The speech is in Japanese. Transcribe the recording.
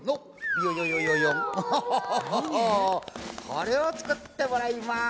これを作ってもらいます。